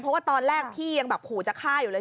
เพราะตอนแรกพี่ยังคูย์ก็คลาดอยู่เลย